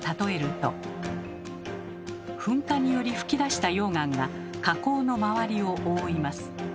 噴火により噴き出した溶岩が火口の周りを覆います。